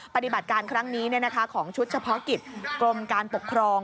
ปฏิบัติการครั้งนี้ของชุดเฉพาะกิจกรมการปกครอง